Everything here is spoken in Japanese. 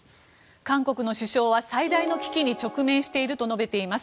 韓国の首相は最大の危機に直面していると述べています。